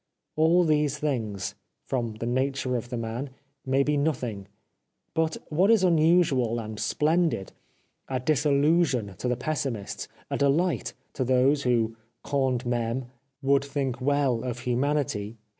All these things, from the nature of the man, may be nothing ; but what is unusual and splendid, a disillusion to the pessimists, a delight to those who, quand mime, would think well of humanity, 416 ^mu.